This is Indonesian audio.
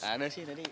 ada sih tadi